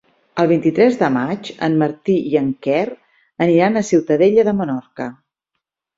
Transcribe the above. El vint-i-tres de maig en Martí i en Quer aniran a Ciutadella de Menorca.